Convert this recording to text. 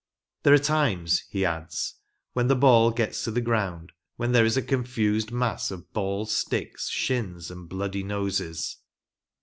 " There are times," he adds, " when the ball gets to the ground, when there is a confused mass of balls, sticks, shins and bloody noses."